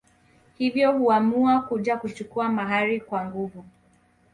Hivyo huamua kuja kuchukua mahari kwa nguvu